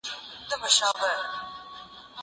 زه به بوټونه پاک کړي وي؟!